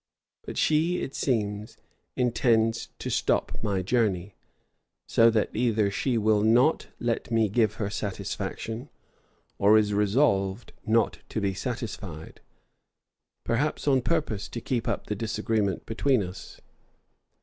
But she, it seems, intends to stop my journey; so that either she will not let me give her satisfaction, or is resolved not to be satisfied; perhaps on purpose to keep up the disagreement between us.